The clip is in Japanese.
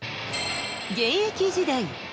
現役時代。